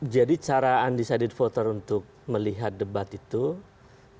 jadi cara undecided voters untuk melihat debat itu merespon ke mas ari